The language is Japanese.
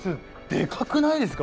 でかくないですか？